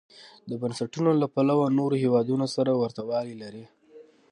د بنسټونو له پلوه نورو هېوادونو سره ورته والی لري.